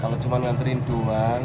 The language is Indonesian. kalo cuma nganterin tuh man